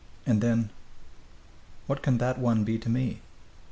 And then, "What can that one be to me?"